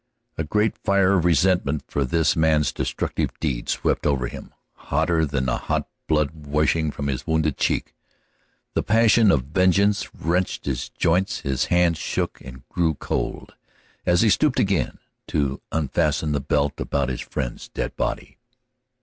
A great fire of resentment for this man's destructive deed swept over him, hotter than the hot blood wasting from his wounded cheek. The passion of vengeance wrenched his joints, his hand shook and grew cold, as he stooped again to unfasten the belt about his friend's dead body.